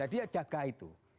dia jaga itu